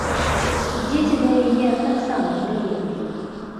Дзеці да яе таксама прывыклі.